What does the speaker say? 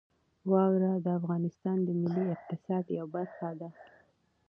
واوره د افغانستان د ملي اقتصاد یوه برخه ده.